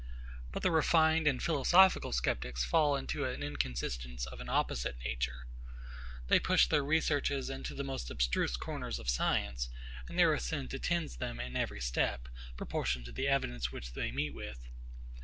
But the refined and philosophical sceptics fall into an inconsistence of an opposite nature. They push their researches into the most abstruse corners of science; and their assent attends them in every step, proportioned to the evidence which they meet with.